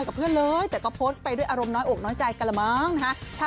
เขาพวงแล้วก็ลบไง